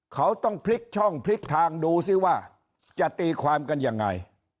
เขาต้องพลิกช่องพลิกทางดูซิว่าจะตีความกันยังไง